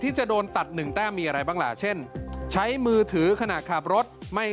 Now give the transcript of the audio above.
ที่จะโดนตัดหนึ่งแต้มมีอะไรบ้างล่ะเช่นใช้มือถือขณะขับรถไม่